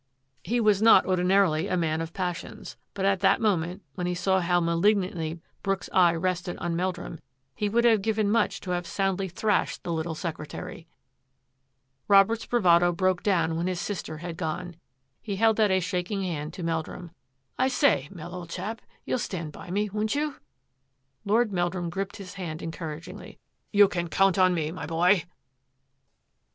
120 THAT AFFAIR AT THE MANOR He was not ordinarily a man of passions, but at that moment, when he saw how malignantly Brooks's eye rested on Meldrum, he would have given much to have soundly thrashed the little secretary. Robert's bravado broke down when his sister had gone. He held out a shaking hand to Mel drum. " I say, Mel, old chap, you'll stand by me, won't you? '* Lord Meldrum gripped his hand encouragingly. " You can count on me, my boy